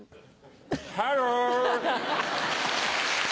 「ハロー」。